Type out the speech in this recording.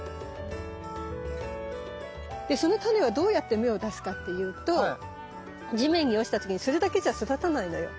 でその種はどうやって芽を出すかっていうと地面に落ちた時にそれだけじゃ育たないのよ。